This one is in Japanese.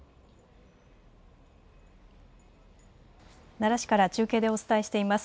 奈良市から中継でお伝えしています。